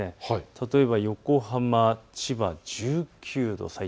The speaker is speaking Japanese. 例えば横浜、千葉１９度。